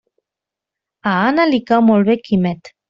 A Anna li cau molt bé Quimet.